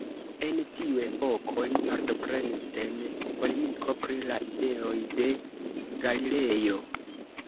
En tiu epoko li partoprenis en polemiko pri la ideoj de Galilejo.